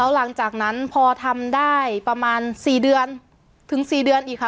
หลังจากนั้นพอทำได้ประมาณ๔เดือนถึง๔เดือนอีกค่ะ